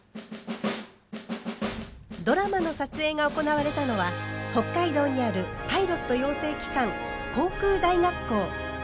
ドラマの撮影が行われたのは北海道にあるパイロット養成機関航空大学校。